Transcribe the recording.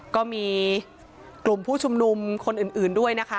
ก็มีกลุ่มผู้ชุมนุมคนอื่นด้วยนะคะ